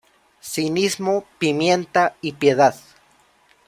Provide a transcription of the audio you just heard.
Cinismo, pimienta y piedad.